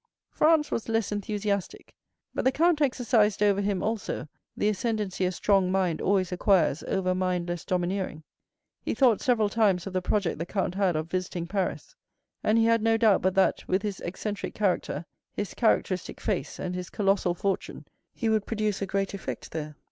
Franz was less enthusiastic; but the count exercised over him also the ascendency a strong mind always acquires over a mind less domineering. He thought several times of the project the count had of visiting Paris; and he had no doubt but that, with his eccentric character, his characteristic face, and his colossal fortune, he would produce a great effect there.